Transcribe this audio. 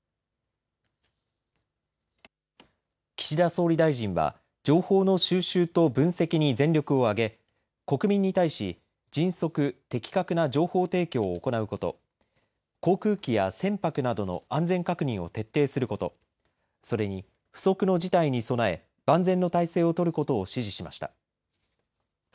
岸田総理大臣は情報の収集と分析に全力を挙げ、国民に対し迅速、的確な情報提供を行うこと、航空機や船舶などの安全確認を徹底すること、それに不測の事態に備え万全の態勢を取ることを指示しました。